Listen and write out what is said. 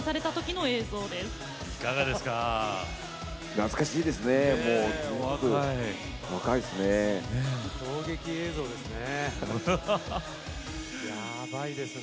懐かしいですね。